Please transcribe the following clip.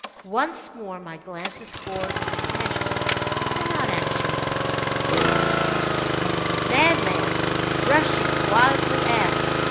Once more my glances for'ard were casual, and not anxious; and then, suddenly, I was a madman, rushing wildly aft.